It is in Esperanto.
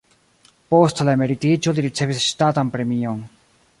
Post la emeritiĝo li ricevis ŝtatan premion.